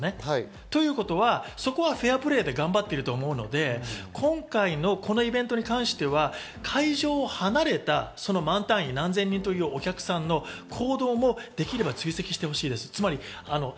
ということはそこはフェアプレーで頑張ってると思うので今回のこのイベントに関しては、会場を離れた何千人というお客さんの行動もできれば追跡してほしいです。